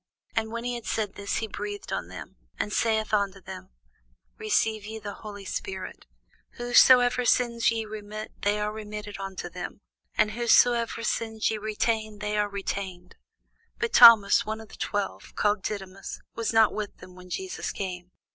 And when he had said this, he breathed on them, and saith unto them, Receive ye the Holy Ghost: whose soever sins ye remit, they are remitted unto them; and whose soever sins ye retain, they are retained. But Thomas, one of the twelve, called Didymus, was not with them when Jesus came.